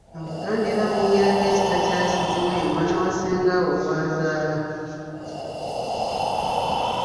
Abaganda era bongerako ekika kya Kizibwe ye mwana wa Ssengaawo gw’azaala.